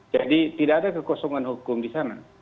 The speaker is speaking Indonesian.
jadi tidak ada kekosongan hukum di sana